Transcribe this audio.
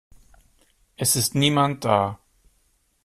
Es ist niemand da.